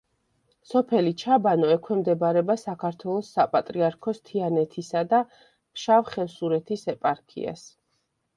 სოფელი ჩაბანო ექვემდებარება საქართველოს საპატრიარქოს თიანეთისა და ფშავ-ხევსურეთის ეპარქიას.